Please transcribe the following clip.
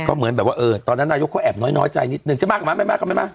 ก็เหมือนแบบว่าตอนนั้นนายกเขาแอบน้อยน้อยใจนิดหนึ่งจะมากับมันไม่มากับมัน